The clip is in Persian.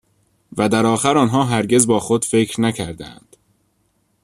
و در آخر آنها هرگز با خود فکر نکرده اند